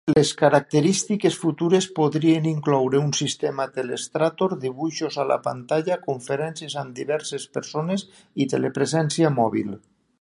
Les característiques futures podrien incloure un sistema "telestrator", dibuixos a la pantalla, conferències amb diverses persones i telepresència mòbil.